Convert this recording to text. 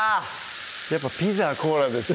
やっぱピザはコーラですよ